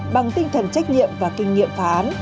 bằng tinh thần trách nhiệm và kinh nghiệm phá án